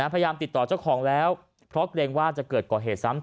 พยายามติดต่อเจ้าของแล้วเพราะเกรงว่าจะเกิดก่อเหตุซ้ำ